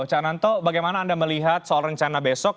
cak nanto bagaimana anda melihat soal rencana besok